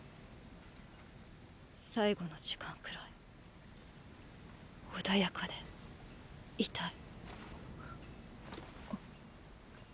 最期の時間くらい穏やかでいたい。